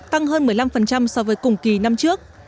tăng hơn một mươi năm so với cùng kỳ năm trước